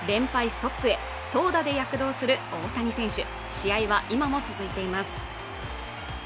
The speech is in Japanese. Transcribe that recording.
ストップへ投打で躍動する大谷選手試合は今も続いています